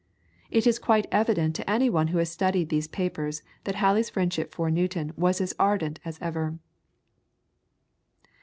It is quite evident to any one who has studied these papers that Halley's friendship for Newton was as ardent as ever.